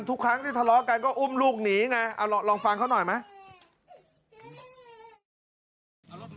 ทุกครั้งที่ทะเลาะกันก็อุ้มลูกหนีไงเอาลองฟังเขาหน่อยไหม